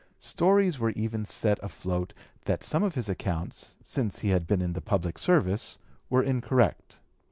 Stories were even set afloat that some of his accounts, since he had been in the public service, were incorrect.